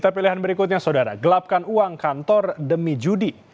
pilihan berikutnya saudara gelapkan uang kantor demi judi